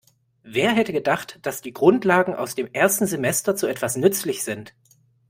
Wer hätte gedacht, dass die Grundlagen aus dem ersten Semester zu etwas nützlich sind?